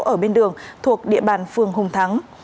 ở bên đường thuộc địa bàn phường hùng thắng